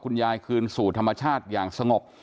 คุณยายคืนสู่ธรรมชาติอย่างสงบ